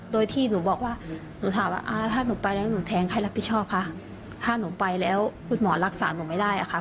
โดยที่หนูถามว่าถ้าหนูไปแล้วหนูแทงใครรับผิดชอบคะถ้าหนูไปแล้วคุณหมอรักษาหนูไม่ได้ค่ะ